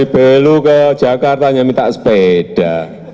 beli lu ke jakarta hanya minta sepeda